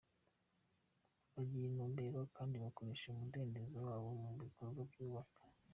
Bagira intumbero kandi bakoresha umudendezo wabo mu bikorwa byubaka .